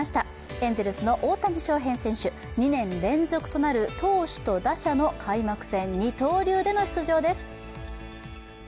エンゼルスの大谷翔平選手、２年連続となる投手と打者の開幕戦二刀流での出場です。